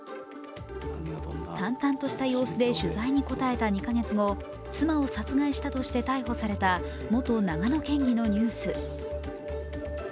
淡々とした様子で取材に答えた２か月後、妻を殺害したとして逮捕された元長野県議のニュース。